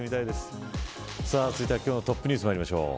続いてトップニュースまいりましょう。